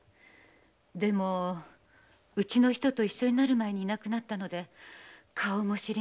でもうちの人と一緒になる前にいなくなったので顔も知りませんでした。